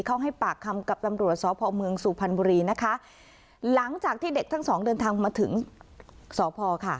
เขาให้ปากคำกับตำรวจสพเมืองสุพรรณบุรีนะคะหลังจากที่เด็กทั้งสองเดินทางมาถึงสพค่ะ